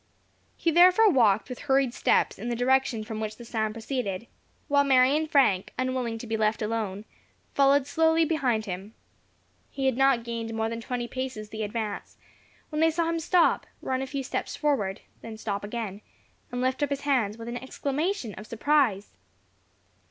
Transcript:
He therefore walked with hurried steps in the direction from which the sound proceeded, while Mary and Frank, unwilling to be left alone, followed slowly behind him. He had not gained more than twenty paces the advance, when they saw him stop run a few steps forward then stop again, and lift up his hands with an exclamation of surprise.